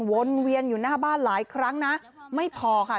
วนเวียนอยู่หน้าบ้านหลายครั้งนะไม่พอค่ะ